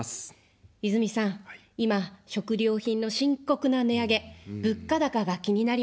泉さん、今、食料品の深刻な値上げ、物価高が気になります。